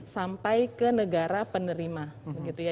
sampai ke negara penerima